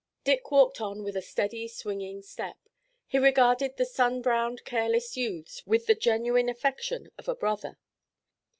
Dick walked on with a steady swinging step. He regarded the sunbrowned, careless youths with the genuine affection of a brother.